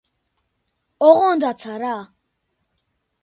ოღონდაცა რა